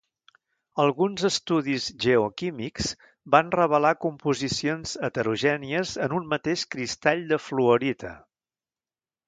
Alguns estudis geoquímics van revelar composicions heterogènies en un mateix cristall de fluorita.